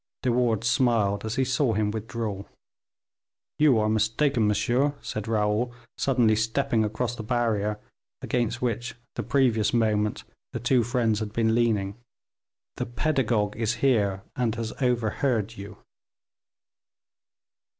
De Wardes smiled as he saw him withdraw. "You are mistaken, monsieur," said Raoul, suddenly stepping across the barrier against which the previous moment the two friends had been leaning. "The pedagogue is here, and has overheard you."